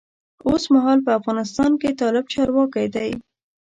اوسمهال په افغانستان کې طالب چارواکی دی.